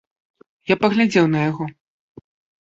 Я паглядзеў на яго.